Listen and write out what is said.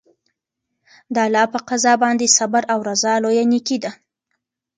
د الله په قضا باندې صبر او رضا لویه نېکي ده.